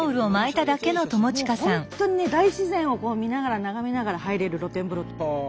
もう本当にね大自然を見ながら眺めながら入れる露天風呂。